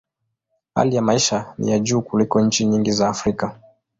Hali ya maisha ni ya juu kuliko nchi nyingi za Afrika.